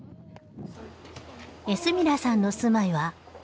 エスミラさんの住まいは学校の寮。